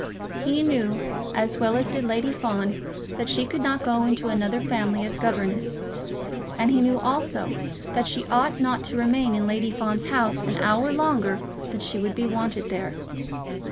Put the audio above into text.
He knew, as well as did Lady Fawn, that she could not go into another family as governess; and he knew also that she ought not to remain in Lady Fawn's house an hour longer than she would be wanted there.